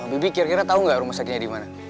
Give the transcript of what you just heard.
bibi kira kira tau gak rumah sakitnya di mana